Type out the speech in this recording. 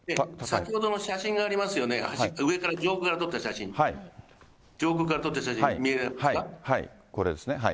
先ほどの写真がありますよね、上から撮った写真、上空から撮った写真、これですね。